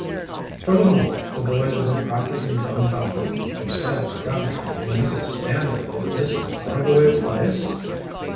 For the moment the boys were practically dumfounded. Josiah Crabtree and Mrs. Stanhope in this out of the way place?